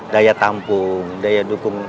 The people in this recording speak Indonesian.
daya tampung daya dukung